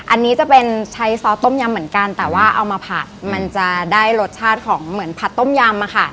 อันนี้จะเป็นใช้ซอสต้มยำเหมือนกันแต่ว่าเอามาผัดมันจะได้รสชาติของเหมือนผัดต้มยำอะค่ะ